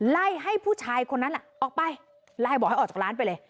ไล่ให้ผู้ชายคนนั้นออกไปไล่บอกให้ออกจากร้านไปเลย